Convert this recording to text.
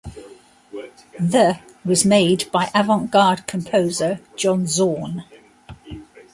The was made by the avant-garde composer John Zorn.